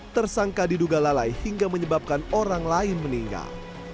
tersangka diduga lalai hingga menyebabkan orang lain meninggal